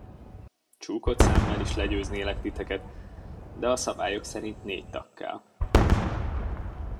Csukott szemmel is legyőznélek titeket, de a szabályok szerint négy tag kell.